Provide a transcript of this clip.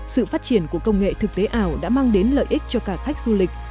sự phát triển của công nghệ thực tế ảo đã mang đến lợi ích cho cả khách du lịch